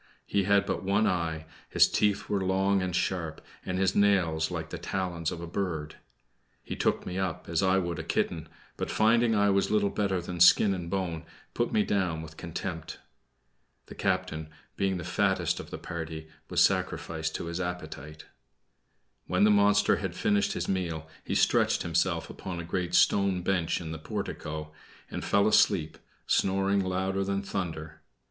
He had but one eye, his teeth were long and sharp, and his nails like the talons of a bird. He took me up as I would a kitten, but finding I was little better than skin and bone, put me down with contempt. The captain, being the fattest of the party, was sacrificed to his appetite. When the monster had finished his meal he stretched himself upon a great stone bench in the portico, and fell asleep, snoring louder than thunder.